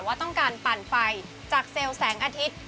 ว่าต้องการปั่นไฟจากเซลล์แสงอาทิตย์